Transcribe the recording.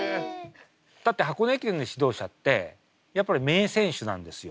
だって箱根駅伝の指導者ってやっぱり名選手なんですよ。